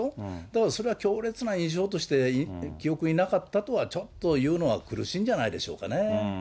だから、それは強烈な印象として記憶になかったとは、ちょっと言うのは苦しいんじゃないでしょうかね。